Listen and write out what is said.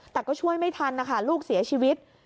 แต่ก็ช่วยไม่ทันนะคะลูกเสียชีวิต